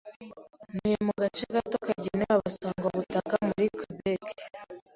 Ntuye mu gace gato kagenewe abasangwabutaka muri Québec,